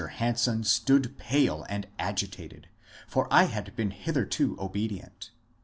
Hanson stood pale and agitated, for I had been hitherto obedient.